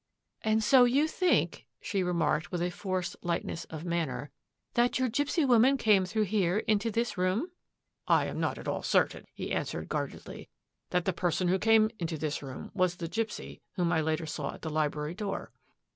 " And so you think," she remarked, with a forced 108 THAT AFFAIR AT THE MANOR lightness of manner, " that your gipsy woman came through here into this room? "" I am not at all certain," he answered guard edly, ^* that the person who came into this room was the gipsy whom I saw later at the library door."